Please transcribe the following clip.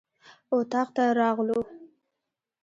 اطاق ته راغلو.